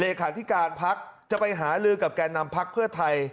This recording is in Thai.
เลขาธิการพักจะไปหาลือกับแก่นำพักเพื่อไทย